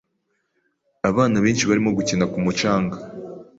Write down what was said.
Abana benshi barimo gukina ku mucanga.